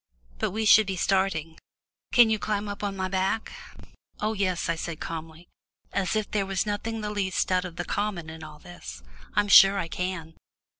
But we should be starting. Can you climb up on to my back?" "Oh yes," I said quite calmly, as if there was nothing the least out of the common in all this, "I'm sure I can."